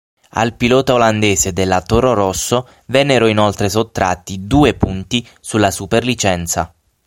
Al pilota olandese della Toro Rosso vennero inoltre sottratti due punti sulla Superlicenza.